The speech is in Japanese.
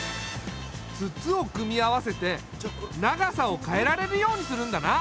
筒を組み合わせて長さを変えられるようにするんだな。